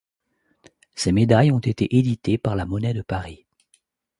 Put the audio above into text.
Ses médailles ont été éditées par la Monnaie de Paris.